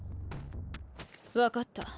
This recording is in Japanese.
わかった。